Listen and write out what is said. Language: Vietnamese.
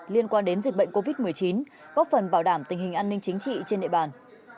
liên quan đến dịch bệnh covid một mươi chín góp phần bảo đảm tình hình an ninh chính trị trên địa bàn